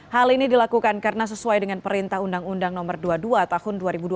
hal ini dilakukan karena sesuai dengan perintah undang undang no dua puluh dua tahun dua ribu dua puluh